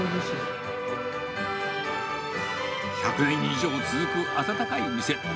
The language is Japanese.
１００年以上続く温かい店。